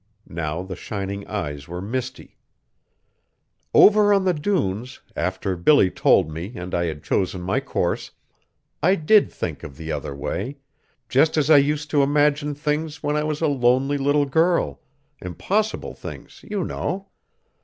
Now the shining eyes were misty. "Over on the dunes, after Billy told me and I had chosen my course, I did think of the other way, just as I used to imagine things when I was a lonely little girl, impossible things, you know!